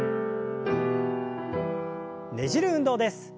ねじる運動です。